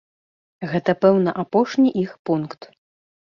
Гэта пэўна апошні іх пункт.